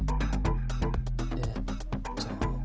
えっと。